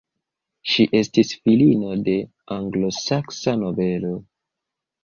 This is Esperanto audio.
Ŝi estis filino de anglosaksa nobelo.